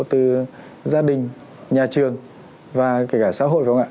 từ gia đình nhà trường và kể cả xã hội không ạ